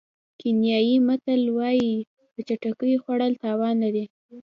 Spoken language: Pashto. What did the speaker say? کینیايي متل وایي په چټکۍ خوړل تاوان لري.